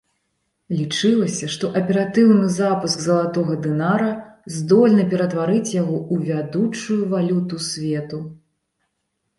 Лічылася, што аператыўны запуск залатога дынара здольны ператварыць яго ў вядучую валюту свету.